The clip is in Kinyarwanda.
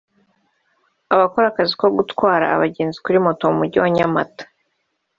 Abakora akazi ko gutwara abagenzi kuri Moto mu Mujyi wa Nyamata